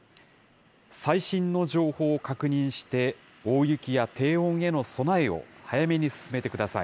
最新の情報を確認して、大雪や低温への備えを早めに進めてください。